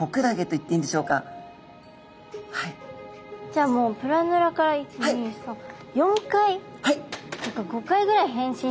じゃあもうプラヌラから１２３４回とか５回ぐらい変身。